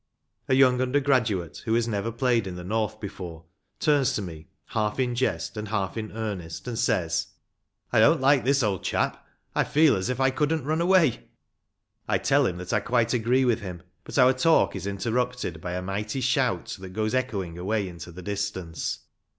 A young undergraduate, who has never played in the North before, turns to me, half in jest and half in earnest, and says, " I don't like 2o6 RUGBY FOOTBALL. this, old chap ; I feel as if I couldn't run away !" I tell him that I quite agree with him. But our talk is interrupted by a mighty shout that goes echoing away into the distance.